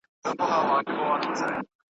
د مشاعرې مشر، ارواښاد سېلاب ساپي ,